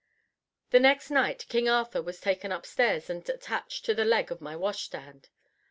The next night King Arthur was taken upstairs and attached to the leg of my wash stand.